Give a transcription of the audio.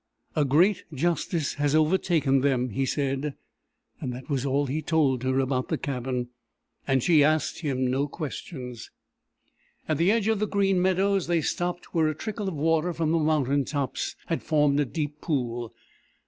"A great justice has overtaken them," he said, and that was all he told her about the cabin, and she asked him no questions. At the edge of the green meadows they stopped where a trickle of water from the mountain tops had formed a deep pool.